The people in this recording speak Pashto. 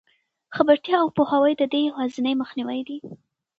خبرتیا او پوهاوی د دې یوازینۍ مخنیوی دی.